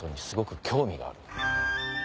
すごく興味がある。